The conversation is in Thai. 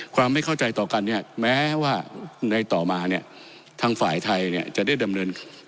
ไม่เข้าใจต่อกันเนี่ยแม้ว่าในต่อมาเนี่ยทางฝ่ายไทยเนี่ยจะได้ดำเนิน